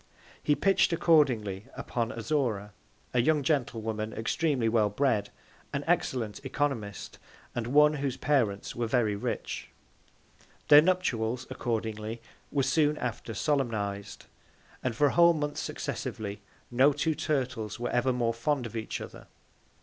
He pitch'd accordingly upon Azora, a young Gentlewoman extremely well bred, an excellent Oeconomist, and one, whose Parents were very rich. Their Nuptials accordingly were soon after solemniz'd, and for a whole Month successively, no two Turtles were ever more fond of each other.